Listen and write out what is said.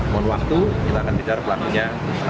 mohon waktu kita akan kejar pelakunya